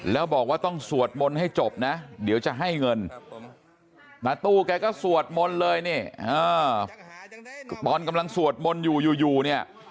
แล้วบอกว่าต้องสวดมนต์ให้จบนะเดี๋ยวจะให้เงินตาตู้แกก็สวดมนต์เลยเนี่ยตอนกำลังสวดมนต์อยู่อยู่เนี่ย